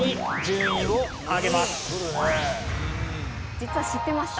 実は知ってました。